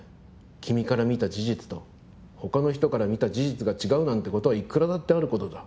君から見た事実と他の人から見た事実が違うなんてことはいくらだってあることだ。